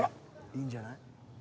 いいんじゃない？